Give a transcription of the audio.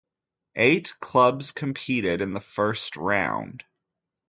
Eight clubs competed in the first round.